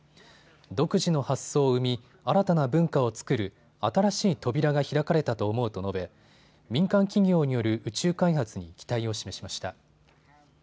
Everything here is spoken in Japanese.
独自の発想を生み新たな文化を作る新しい扉が開かれたと思うと述べ、民間企業による宇宙開発に期待を示しました。